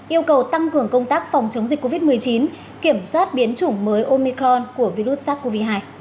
yêu cầu tăng cường công tác phòng chống dịch covid một mươi chín kiểm soát biến chủng mới omicron của virus sars cov hai